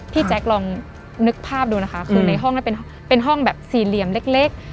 แจ๊คลองนึกภาพดูนะคะคือในห้องนั้นเป็นห้องแบบสี่เหลี่ยมเล็ก